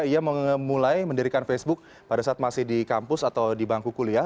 ia memulai mendirikan facebook pada saat masih di kampus atau di bangku kuliah